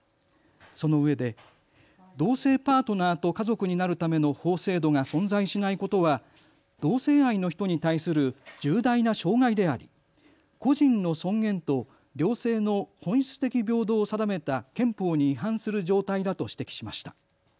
そのうえで同性パートナーと家族になるための法制度が存在しないことは同性愛の人に対する重大な障害であり個人の尊厳と両性の本質的平等を定めた憲法に違反する状態だと指摘しました。